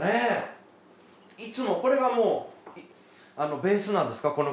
いつもこれがもうベースなんですか